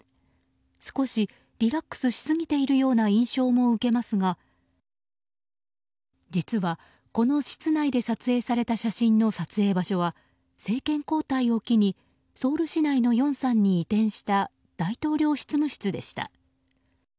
少しリラックスしすぎているような印象も受けますが実はこの室内で撮影された写真の撮影場所は政権交代を機にソウル市内のヨンサンに移転した大統領執務室でした。